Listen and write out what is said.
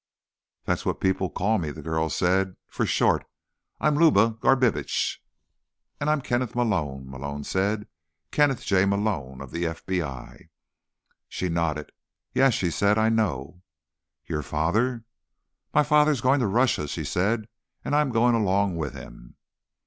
"That's what people call me," the girl said. "For short. I'm Luba Garbitsch." "And I'm Kenneth Malone," Malone said. "Kenneth J. Malone. Of the FBI." She nodded. "Yes," she said. "I know." "Your father—" "My father is going to Russia," she said, "and I am going along with him."